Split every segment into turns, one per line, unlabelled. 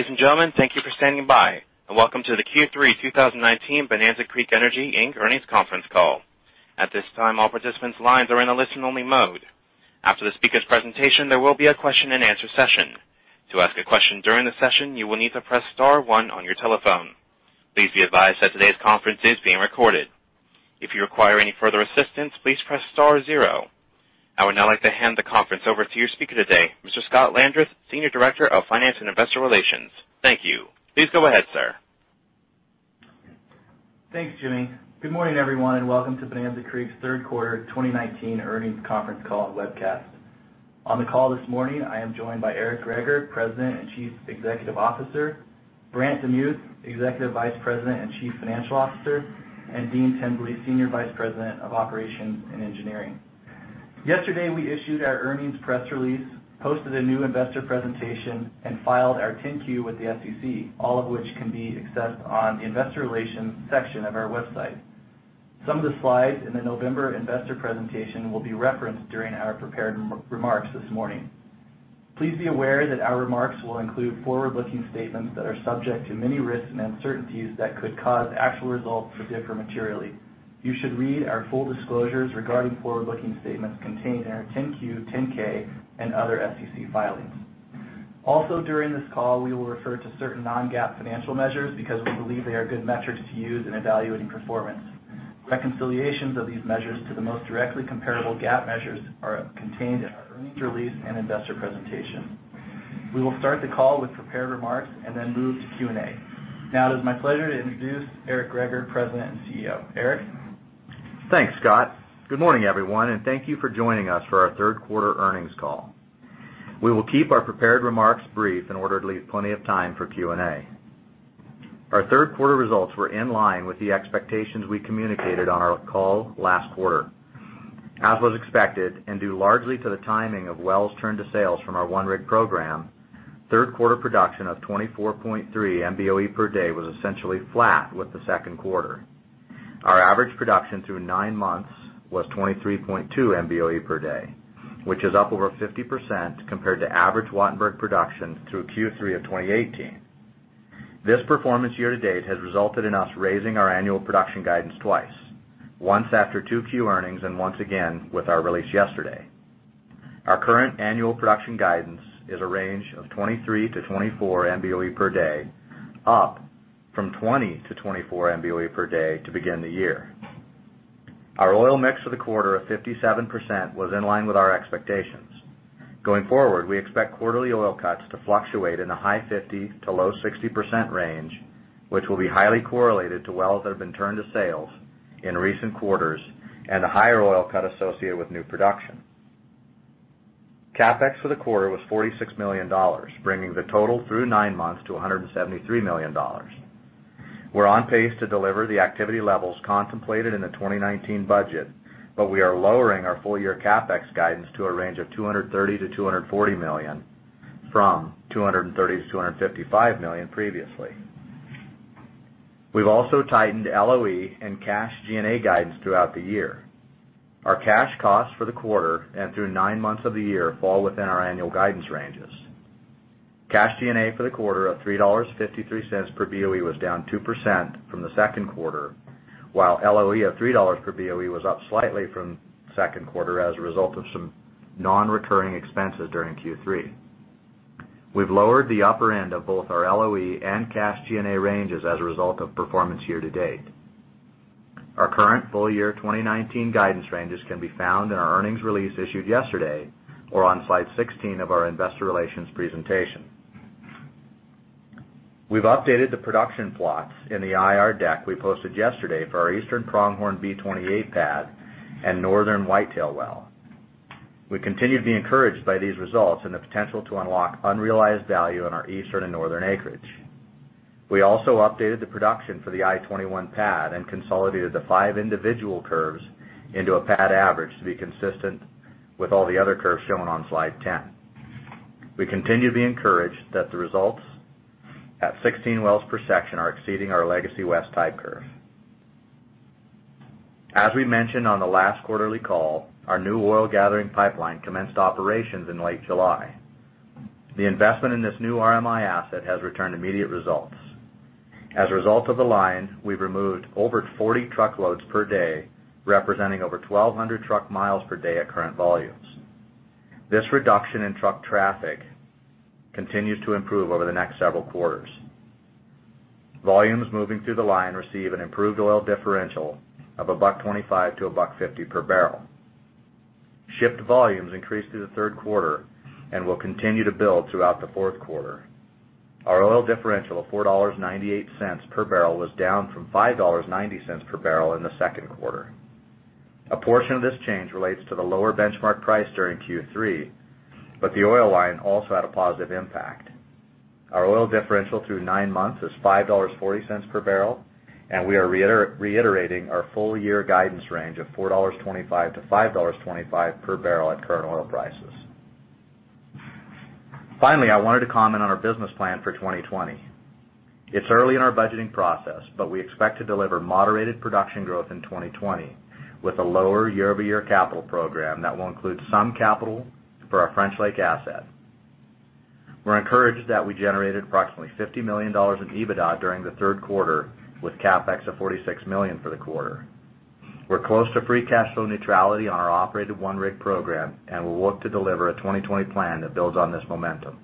Ladies and gentlemen, thank you for standing by, and welcome to the Q3 2019 Bonanza Creek Energy, Inc. Earnings Conference Call. At this time, all participants' lines are in a listen-only mode. After the speakers' presentation, there will be a question-and-answer session. To ask a question during the session, you will need to press star one on your telephone. Please be advised that today's conference is being recorded. If you require any further assistance, please press star zero. I would now like to hand the conference over to your speaker today, Mr. Scott Landreth, Senior Director of Finance and Investor Relations. Thank you. Please go ahead, sir.
Thanks, Jimmy. Good morning, everyone, and welcome to Bonanza Creek's third quarter 2019 earnings conference call and webcast. On the call this morning, I am joined by Eric Greager, President and Chief Executive Officer, Brant DeMuth, Executive Vice President and Chief Financial Officer, and Dean Tinsley, Senior Vice President of Operations and Engineering. Yesterday, we issued our earnings press release, posted a new investor presentation, and filed our 10-Q with the SEC, all of which can be accessed on the investor relations section of our website. Some of the slides in the November investor presentation will be referenced during our prepared remarks this morning. Please be aware that our remarks will include forward-looking statements that are subject to many risks and uncertainties that could cause actual results to differ materially. You should read our full disclosures regarding forward-looking statements contained in our 10-Q, 10-K, and other SEC filings. Also, during this call, we will refer to certain non-GAAP financial measures because we believe they are good metrics to use in evaluating performance. Reconciliations of these measures to the most directly comparable GAAP measures are contained in our earnings release and investor presentation. We will start the call with prepared remarks and then move to Q&A. Now it is my pleasure to introduce Eric Greager, President and CEO. Eric?
Thanks, Scott. Good morning, everyone, and thank you for joining us for our third quarter earnings call. We will keep our prepared remarks brief in order to leave plenty of time for Q&A. Our third quarter results were in line with the expectations we communicated on our call last quarter. As was expected, and due largely to the timing of wells turned to sales from our one-rig program, third quarter production of 24.3 MBOE per day was essentially flat with the second quarter. Our average production through 9 months was 23.2 MBOE per day, which is up over 50% compared to average Wattenberg production through Q3 of 2018. This performance year to date has resulted in us raising our annual production guidance twice, once after 2Q earnings and once again with our release yesterday. Our current annual production guidance is a range of 23 to 24 MBOE per day, up from 20 to 24 MBOE per day to begin the year. Our oil mix for the quarter of 57% was in line with our expectations. Going forward, we expect quarterly oil cuts to fluctuate in the high 50% to low 60% range, which will be highly correlated to wells that have been turned to sales in recent quarters and a higher oil cut associated with new production. CapEx for the quarter was $46 million, bringing the total through nine months to $173 million. We're on pace to deliver the activity levels contemplated in the 2019 budget, but we are lowering our full-year CapEx guidance to a range of $230 million-$240 million from $230 million-$255 million previously. We've also tightened LOE and cash G&A guidance throughout the year. Our cash costs for the quarter and through nine months of the year fall within our annual guidance ranges. Cash G&A for the quarter of $3.53 per BOE was down 2% from the second quarter, while LOE of $3 per BOE was up slightly from second quarter as a result of some non-recurring expenses during Q3. We've lowered the upper end of both our LOE and cash G&A ranges as a result of performance year to date. Our current full-year 2019 guidance ranges can be found in our earnings release issued yesterday or on slide 16 of our investor relations presentation. We've updated the production plots in the IR deck we posted yesterday for our Eastern Pronghorn B28 pad and Northern Whitetail Well. We continue to be encouraged by these results and the potential to unlock unrealized value in our Eastern and Northern acreage. We also updated the production for the I-21 pad and consolidated the five individual curves into a pad average to be consistent with all the other curves shown on slide 10. We continue to be encouraged that the results at 16 wells per section are exceeding our Legacy West type curve. As we mentioned on the last quarterly call, our new oil gathering pipeline commenced operations in late July. The investment in this new RMI asset has returned immediate results. As a result of the line, we've removed over 40 truckloads per day, representing over 1,200 truck miles per day at current volumes. This reduction in truck traffic continues to improve over the next several quarters. Volumes moving through the line receive an improved oil differential of $1.25-$1.50 per barrel. Shipped volumes increased through the third quarter and will continue to build throughout the fourth quarter. Our oil differential of $4.98 per barrel was down from $5.90 per barrel in the second quarter. A portion of this change relates to the lower benchmark price during Q3, but the oil line also had a positive impact. Our oil differential through nine months is $5.40 per barrel, and we are reiterating our full-year guidance range of $4.25 per barrel-$5.25 per barrel at current oil prices. Finally, I wanted to comment on our business plan for 2020. It's early in our budgeting process, but we expect to deliver moderated production growth in 2020 with a lower year-over-year capital program that will include some capital for our French Lake asset. We're encouraged that we generated approximately $50 million in EBITDA during the third quarter with CapEx of $46 million for the quarter. We're close to free cash flow neutrality on our operated one-rig program, and we'll look to deliver a 2020 plan that builds on this momentum.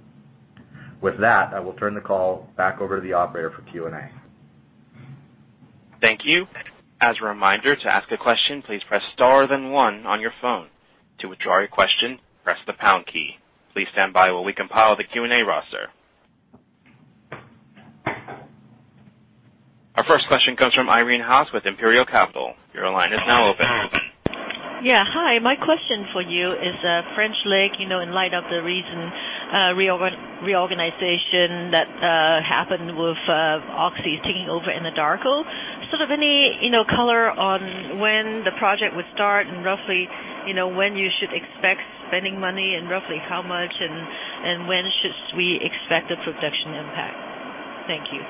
With that, I will turn the call back over to the operator for Q&A.
Thank you. As a reminder, to ask a question, please press star then one on your phone. To withdraw your question, press the pound key. Please stand by while we compile the Q&A roster. Our first question comes from Irene Haas with Imperial Capital. Your line is now open.
Hi. My question for you is French Lake, in light of the recent reorganization that happened with Oxy taking over Anadarko, sort of any color on when the project would start and roughly when you should expect spending money and roughly how much and when should we expect a production impact? Thank you.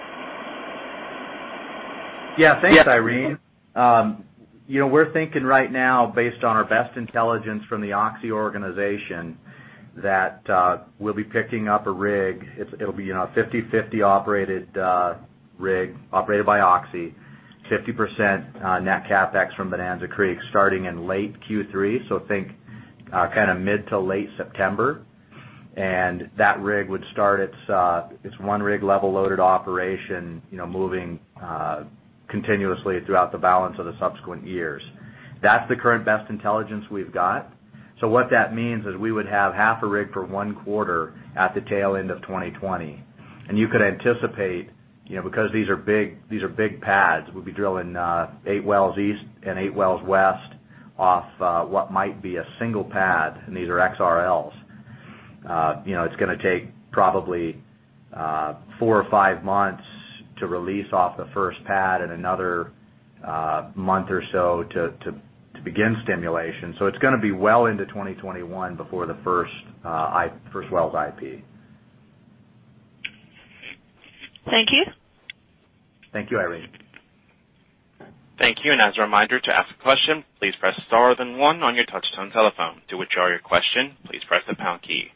Thanks, Irene. We're thinking right now, based on our best intelligence from the Oxy organization, that we'll be picking up a rig. It'll be 50/50 operated rig, operated by Oxy, 50% net CapEx from Bonanza Creek starting in late Q3, so think mid to late September. That rig would start its one-rig level-loaded operation moving continuously throughout the balance of the subsequent years. That's the current best intelligence we've got. What that means is we would have half a rig for one quarter at the tail end of 2020. You could anticipate, because these are big pads, we'll be drilling eight wells east and eight wells west off what might be a single pad, and these are XRLs. It's going to take probably four or five months to release off the first pad and another month or so to begin stimulation. It's going to be well into 2021 before the first well's IP.
Thank you.
Thank you, Irene.
Thank you. As a reminder, to ask a question, please press star then one on your touch-tone telephone. To withdraw your question, please press the pound key.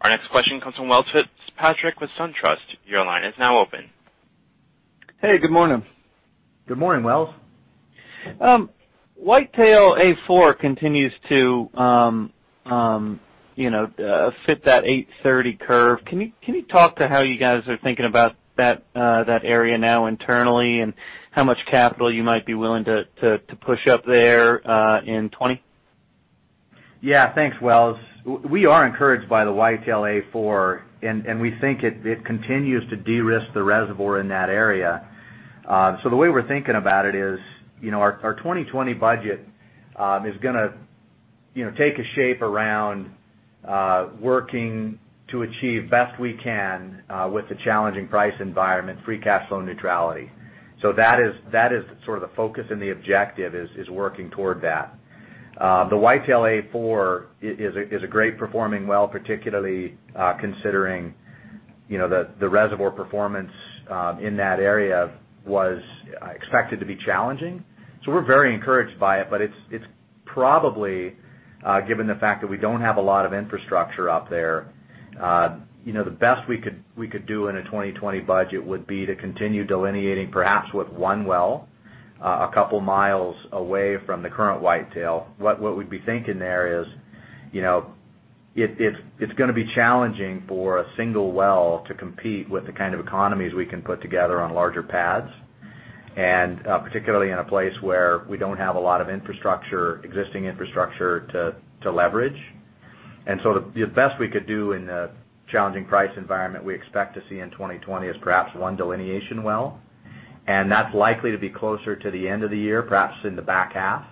Our next question comes from Welles Fitzpatrick with SunTrust. Your line is now open.
Hey, good morning.
Good morning, Welles.
Whitetail A4 continues to fit that 830 curve. Can you talk to how you guys are thinking about that area now internally, and how much capital you might be willing to push up there in 2020?
Yeah, thanks, Welles. We are encouraged by the Whitetail A4, and we think it continues to de-risk the reservoir in that area. The way we're thinking about it is our 2020 budget is going to take a shape around working to achieve best we can with the challenging price environment, free cash flow neutrality. That is sort of the focus and the objective is working toward that. The Whitetail A4 is a great performing well, particularly considering the reservoir performance in that area was expected to be challenging. We're very encouraged by it, but it's probably, given the fact that we don't have a lot of infrastructure up there, the best we could do in a 2020 budget would be to continue delineating perhaps with one well a couple of miles away from the current Whitetail. What we'd be thinking there is it's going to be challenging for a single well to compete with the kind of economies we can put together on larger pads, and particularly in a place where we don't have a lot of existing infrastructure to leverage. The best we could do in the challenging price environment we expect to see in 2020 is perhaps one delineation well, and that's likely to be closer to the end of the year, perhaps in the back half.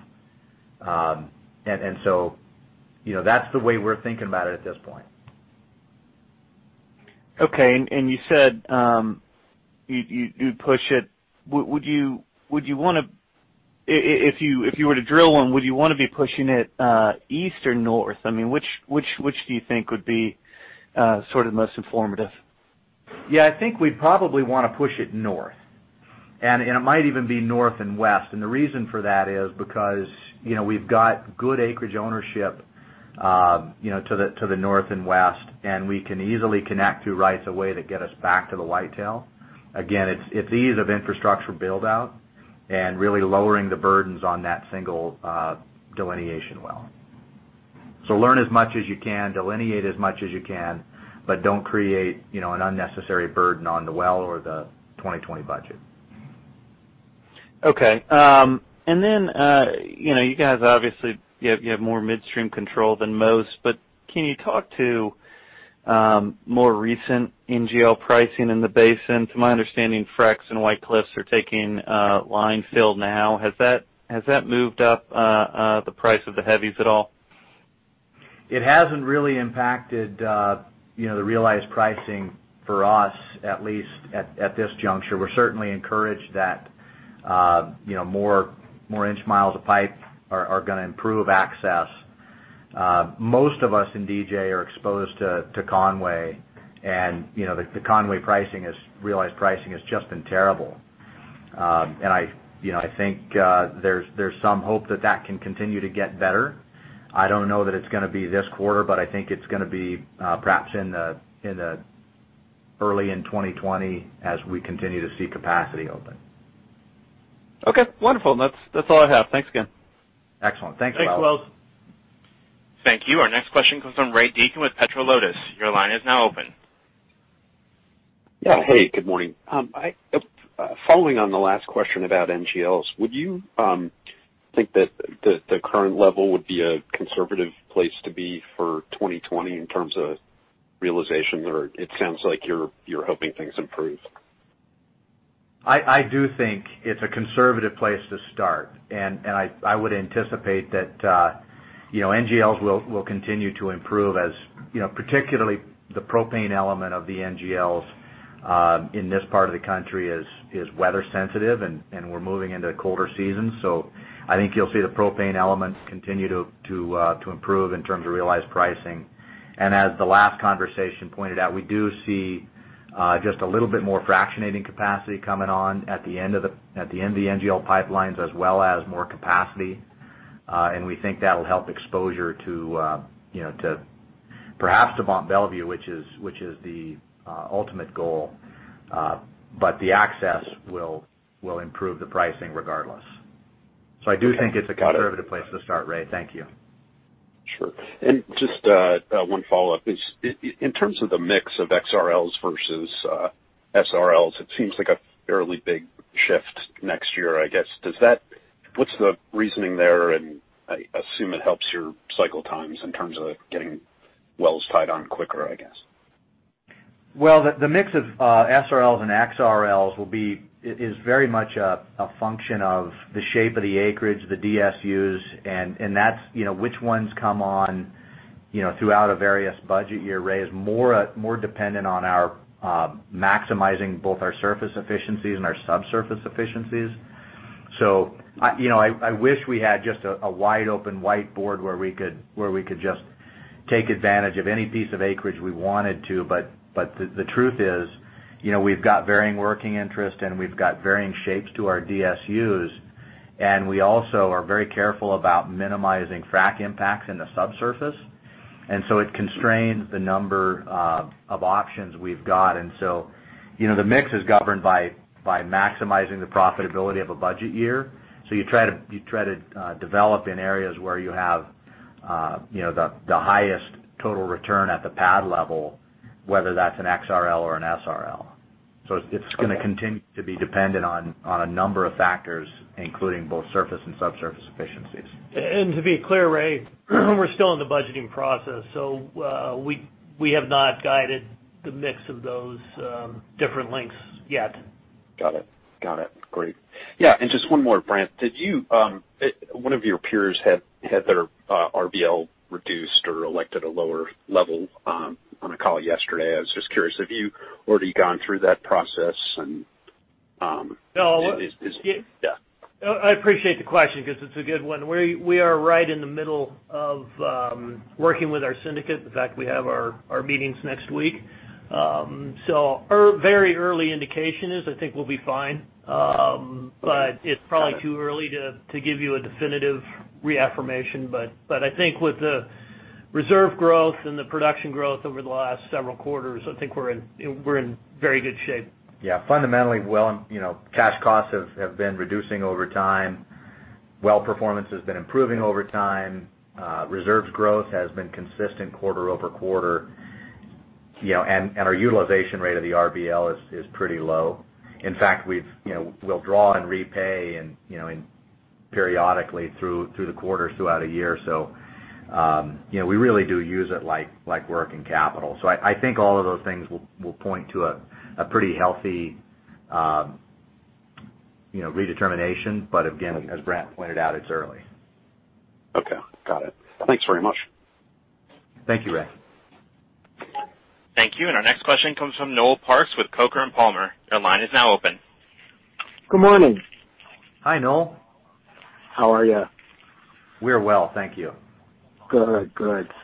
That's the way we're thinking about it at this point.
Okay. You said you'd push it. If you were to drill one, would you want to be pushing it east or north? Which do you think would be sort of most informative?
Yeah, I think we'd probably want to push it north. It might even be north and west. The reason for that is because we've got good acreage ownership to the north and west, and we can easily connect through rights-of-way to get us back to the Whitetail. Again, it's ease of infrastructure build-out and really lowering the burdens on that single delineation well. Learn as much as you can, delineate as much as you can, but don't create an unnecessary burden on the well or the 2020 budget.
Okay. You guys obviously, you have more midstream control than most, but can you talk to more recent NGL pricing in the basin? To my understanding, FRX and White Cliffs are taking line fill now. Has that moved up the price of the heavies at all?
It hasn't really impacted the realized pricing for us, at least at this juncture. We're certainly encouraged that more inch miles of pipe are going to improve access. Most of us in DJ are exposed to Conway, and the Conway pricing, realized pricing, has just been terrible. I think there's some hope that that can continue to get better. I don't know that it's going to be this quarter, but I think it's going to be perhaps early in 2020 as we continue to see capacity open.
Okay, wonderful. That's all I have. Thanks again.
Excellent. Thanks, Welles.
Thanks, Welles.
Thank you. Our next question comes from Ray Deakin with PetroLotus. Your line is now open.
Yeah. Hey, good morning. Following on the last question about NGLs, would you think that the current level would be a conservative place to be for 2020 in terms of realization, or it sounds like you're hoping things improve?
I do think it's a conservative place to start, and I would anticipate that NGLs will continue to improve as particularly the propane element of the NGLs in this part of the country is weather sensitive, and we're moving into colder seasons. I think you'll see the propane elements continue to improve in terms of realized pricing. As the last conversation pointed out, we do see just a little bit more fractionating capacity coming on at the end of the NGL pipelines, as well as more capacity. We think that'll help exposure perhaps to Mont Belvieu, which is the ultimate goal. The access will improve the pricing regardless. I do think it's a conservative place to start, Ray. Thank you.
Sure. Just one follow-up. In terms of the mix of XRLs versus SRLs, it seems like a fairly big shift next year, I guess. What's the reasoning there? I assume it helps your cycle times in terms of getting wells tied on quicker, I guess.
The mix of SRLs and XRLs is very much a function of the shape of the acreage, the DSUs, and which ones come on throughout a various budget year, more dependent on our maximizing both our surface efficiencies and our subsurface efficiencies. I wish we had just a wide open whiteboard where we could just take advantage of any piece of acreage we wanted to, but the truth is we've got varying working interest and we've got varying shapes to our DSUs, and we also are very careful about minimizing frac impacts in the subsurface. It constrains the number of options we've got. The mix is governed by maximizing the profitability of a budget year. You try to develop in areas where you have the highest total return at the pad level, whether that's an XRL or an SRL. It's going to continue to be dependent on a number of factors, including both surface and subsurface efficiencies.
To be clear, Ray, we're still in the budgeting process, so we have not guided the mix of those different lengths yet.
Got it. Great. Yeah, just one more, Brant. One of your peers had their RBL reduced or elected a lower level on a call yesterday. I was just curious, have you already gone through that process?
No.
Yeah.
I appreciate the question because it's a good one. We are right in the middle of working with our syndicate. In fact, we have our meetings next week. Very early indication is, I think we'll be fine. It's probably too early to give you a definitive reaffirmation, but I think with the reserve growth and the production growth over the last several quarters, I think we're in very good shape.
Yeah. Fundamentally, cash costs have been reducing over time. Well performance has been improving over time. Reserves growth has been consistent quarter-over-quarter. Our utilization rate of the RBL is pretty low. In fact, we'll draw and repay periodically through the quarters throughout a year. We really do use it like working capital. I think all of those things will point to a pretty healthy redetermination. Again, as Brant pointed out, it's early.
Okay, got it. Thanks very much.
Thank you, Ray.
Thank you. Our next question comes from Noel Parks with Coker & Palmer. Your line is now open.
Good morning.
Hi, Noel.
How are you?
We're well, thank you.
Good.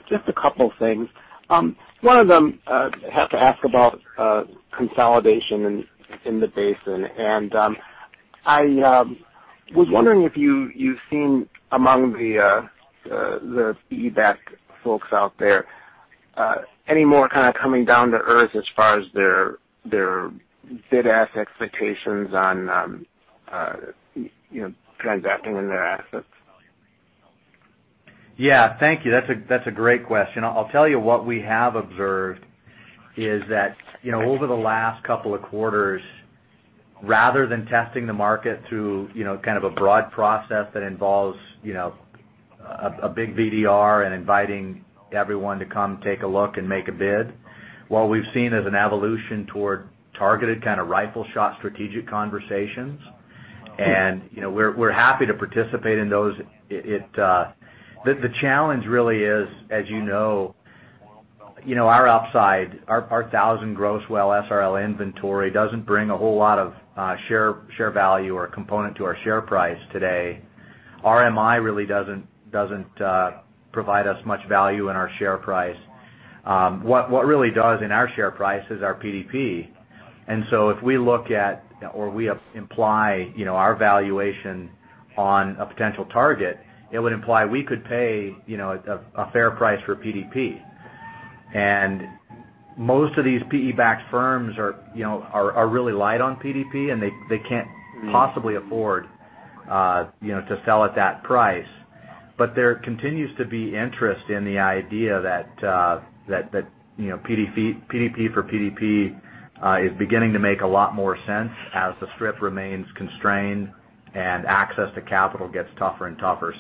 Just a couple of things. One of them, have to ask about consolidation in the basin. I was wondering if you've seen among the EBAC folks out there any more kind of coming down to earth as far as their bid ask expectations on transacting in their assets?
Yeah. Thank you. That's a great question. I'll tell you what we have observed is that over the last couple of quarters, rather than testing the market through kind of a broad process that involves a big VDR and inviting everyone to come take a look and make a bid. What we've seen is an evolution toward targeted kind of rifle shot strategic conversations, and we're happy to participate in those. The challenge really is, as you know. Our upside, our 1,000 gross well SRL inventory doesn't bring a whole lot of share value or component to our share price today. RMI really doesn't provide us much value in our share price. What really does in our share price is our PDP. If we look at, or we imply our valuation on a potential target, it would imply we could pay a fair price for PDP. Most of these PE-backed firms are really light on PDP, and they can't possibly afford to sell at that price. There continues to be interest in the idea that PDP for PDP is beginning to make a lot more sense as the strip remains constrained and access to capital gets tougher and tougher.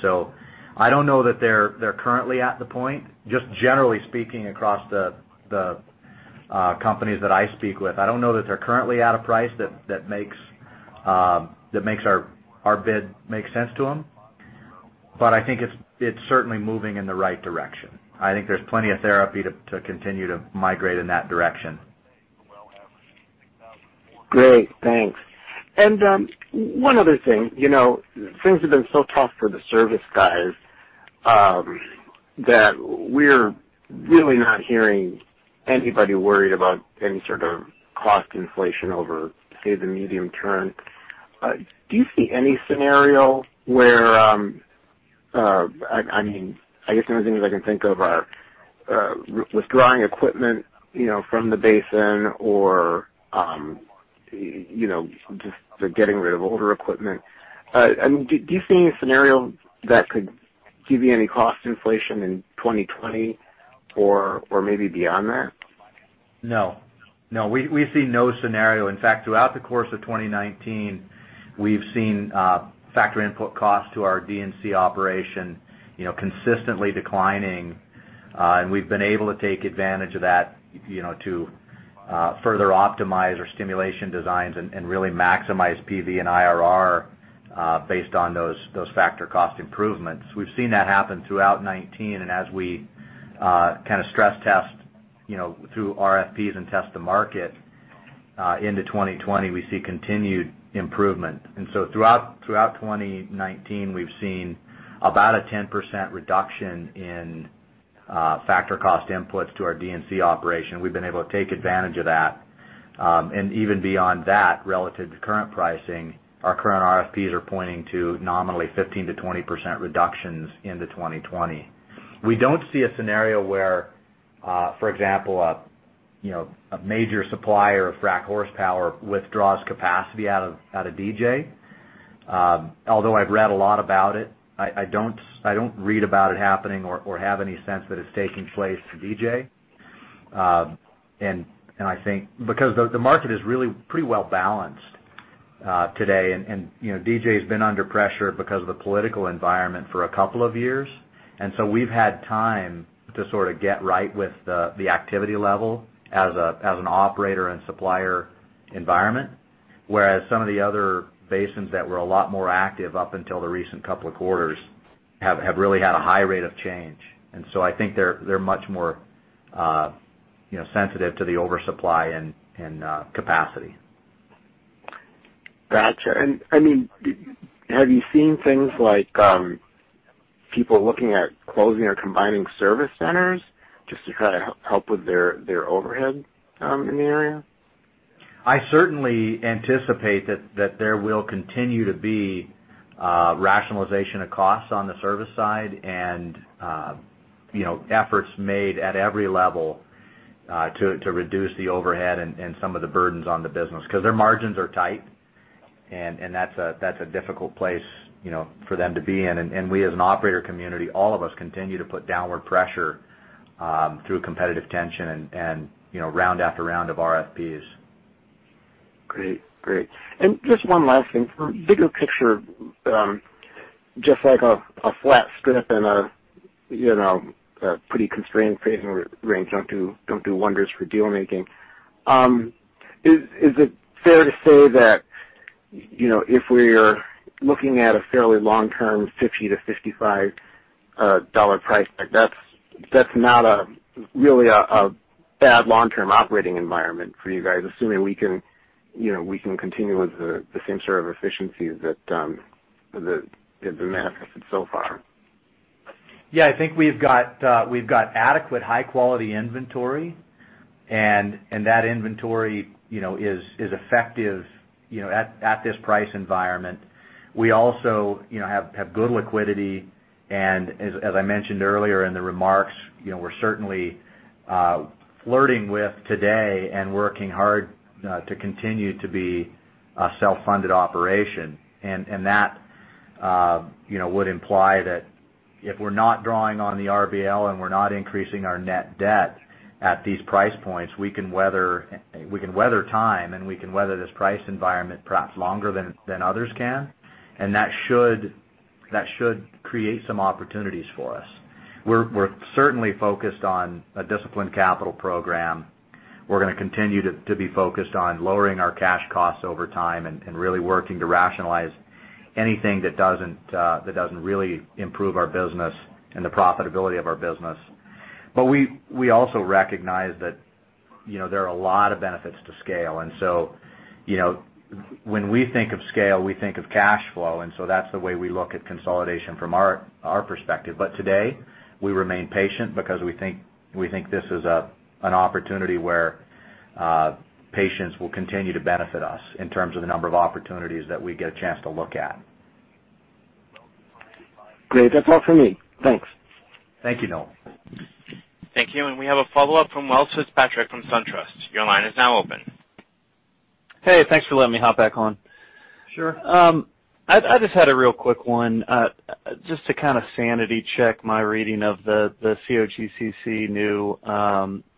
I don't know that they're currently at the point, just generally speaking across the companies that I speak with. I don't know that they're currently at a price that makes our bid make sense to them. I think it's certainly moving in the right direction. I think there's plenty of therapy to continue to migrate in that direction.
Great, thanks. One other thing. Things have been so tough for the service guys that we're really not hearing anybody worried about any sort of cost inflation over, say, the medium term. Do you see any scenario where I guess the only things I can think of are withdrawing equipment from the basin or just the getting rid of older equipment. Do you see any scenario that could give you any cost inflation in 2020 or maybe beyond that?
No. We see no scenario. In fact, throughout the course of 2019, we've seen factory input costs to our D&C operation consistently declining. We've been able to take advantage of that to further optimize our stimulation designs and really maximize PV and IRR based on those factor cost improvements. We've seen that happen throughout 2019, and as we kind of stress test through RFPs and test the market into 2020, we see continued improvement. Throughout 2019, we've seen about a 10% reduction in factor cost inputs to our D&C operation. We've been able to take advantage of that. Even beyond that, relative to current pricing, our current RFPs are pointing to nominally 15%-20% reductions into 2020. We don't see a scenario where, for example, a major supplier of frac horsepower withdraws capacity out of DJ. Although I've read a lot about it, I don't read about it happening or have any sense that it's taking place to DJ. The market is really pretty well balanced today, and DJ's been under pressure because of the political environment for a couple of years. We've had time to sort of get right with the activity level as an operator and supplier environment. Whereas some of the other basins that were a lot more active up until the recent couple of quarters have really had a high rate of change. I think they're much more sensitive to the oversupply and capacity.
Got you. Have you seen things like people looking at closing or combining service centers just to kind of help with their overhead in the area?
I certainly anticipate that there will continue to be rationalization of costs on the service side and efforts made at every level to reduce the overhead and some of the burdens on the business. Their margins are tight, and that's a difficult place for them to be in. We, as an operator community, all of us continue to put downward pressure through competitive tension and round after round of RFPs.
Great. Just one last thing. From a bigger picture, just like a flat strip and a pretty constrained range don't do wonders for deal making. Is it fair to say that if we're looking at a fairly long-term $50-$55 price tag, that's not really a bad long-term operating environment for you guys, assuming we can continue with the same sort of efficiencies that have manifested so far?
I think we've got adequate high-quality inventory, and that inventory is effective at this price environment. We also have good liquidity, and as I mentioned earlier in the remarks, we're certainly flirting with today and working hard to continue to be a self-funded operation. That would imply that if we're not drawing on the RBL and we're not increasing our net debt at these price points, we can weather time, and we can weather this price environment perhaps longer than others can. That should create some opportunities for us. We're certainly focused on a disciplined capital program. We're going to continue to be focused on lowering our cash costs over time and really working to rationalize anything that doesn't really improve our business and the profitability of our business. We also recognize that there are a lot of benefits to scale. When we think of scale, we think of cash flow. That's the way we look at consolidation from our perspective. Today, we remain patient because we think this is an opportunity where patience will continue to benefit us in terms of the number of opportunities that we get a chance to look at.
Great. That's all for me. Thanks.
Thank you, Noel.
Thank you. We have a follow-up from Welles Fitzpatrick from SunTrust. Your line is now open.
Hey, thanks for letting me hop back on.
Sure.
I just had a real quick one. Just to kind of sanity check my reading of the COGCC new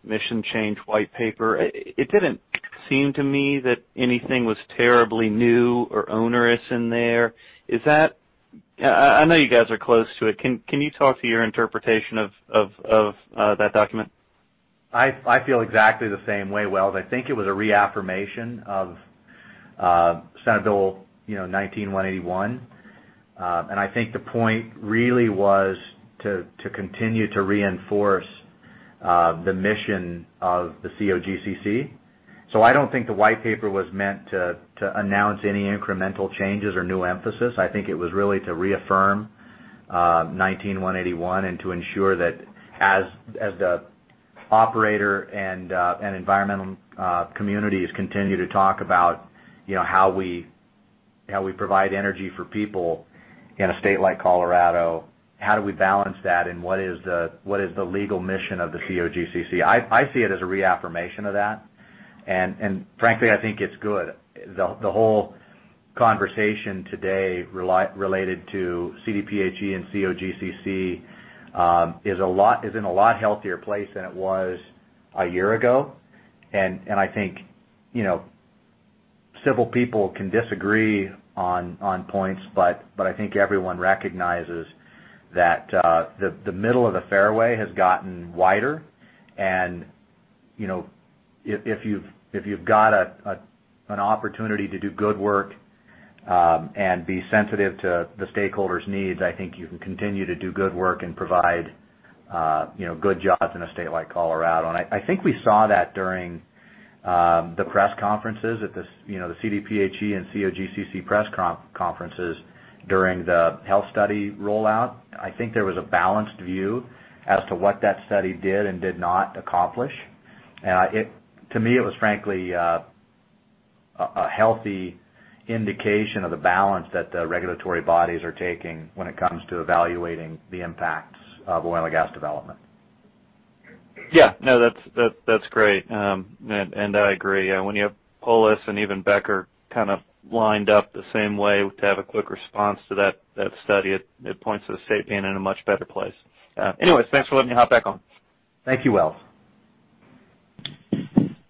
mission change white paper. It didn't seem to me that anything was terribly new or onerous in there. I know you guys are close to it. Can you talk to your interpretation of that document?
I feel exactly the same way, Welles. I think it was a reaffirmation of Senate Bill 19-181. I think the point really was to continue to reinforce the mission of the COGCC. I don't think the white paper was meant to announce any incremental changes or new emphasis. I think it was really to reaffirm 19-181 and to ensure that as the operator and environmental communities continue to talk about how we provide energy for people in a state like Colorado, how do we balance that, and what is the legal mission of the COGCC? I see it as a reaffirmation of that. Frankly, I think it's good. The whole conversation today related to CDPHE and COGCC is in a lot healthier place than it was a year ago. I think civil people can disagree on points, but I think everyone recognizes that the middle of the fairway has gotten wider. If you've got an opportunity to do good work and be sensitive to the stakeholders' needs, I think you can continue to do good work and provide good jobs in a state like Colorado. I think we saw that during the press conferences at the CDPHE and COGCC press conferences during the health study rollout. I think there was a balanced view as to what that study did and did not accomplish. To me, it was frankly a healthy indication of the balance that the regulatory bodies are taking when it comes to evaluating the impacts of oil and gas development.
Yeah. No, that's great. I agree. When you have Polis and even Becker kind of lined up the same way to have a quick response to that study, it points to the state being in a much better place. Anyways, thanks for letting me hop back on.
Thank you, Welles.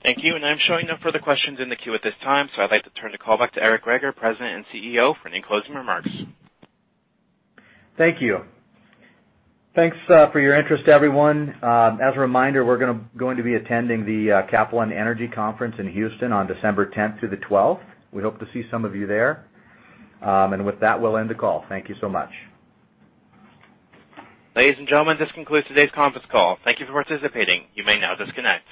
Thank you. I'm showing no further questions in the queue at this time. I'd like to turn the call back to Eric Greager, President and CEO, for any closing remarks.
Thank you. Thanks for your interest, everyone. As a reminder, we're going to be attending the Capital One Energy Conference in Houston on December 10th through the 12th. We hope to see some of you there. With that, we'll end the call. Thank you so much.
Ladies and gentlemen, this concludes today's conference call. Thank you for participating. You may now disconnect.